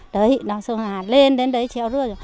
đấy sông ngân hà lên đến đấy treo rưa